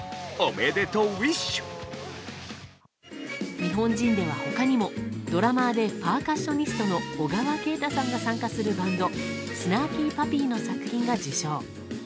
日本人では他にもドラマーでパーカッショニストの小川慶太さんが参加するバンドスナーキー・パピーの作品が受賞。